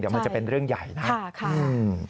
เดี๋ยวมันจะเป็นเรื่องใหญ่นะค่ะค่ะอืม